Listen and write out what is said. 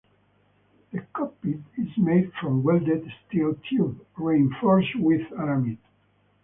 The cockpit is made from welded steel tube, reinforced with Aramid.